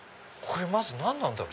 まず何なんだろう？